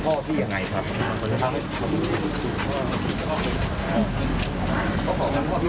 อืมพี่อยากให้รู้ใช่ไหมคะพี่